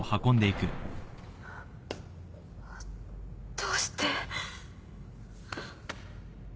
どうして？